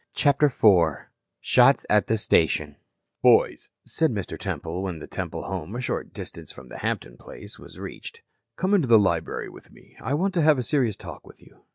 CHAPTER IV SHOTS AT THE STATION "Boys," said Mr. Temple, when the Temple home, a short distance from the Hampton place, was reached, "come into the library with me. I want to have a serious talk with you."